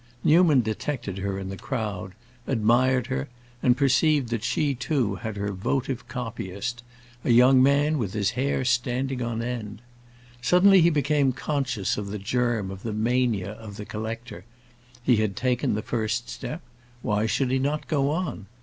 Newman detected her in the crowd, admired her, and perceived that she too had her votive copyist—a young man with his hair standing on end. Suddenly he became conscious of the germ of the mania of the "collector;" he had taken the first step; why should he not go on?